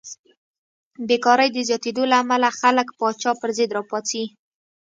بېکارۍ د زیاتېدو له امله خلک پاچا پرضد راپاڅي.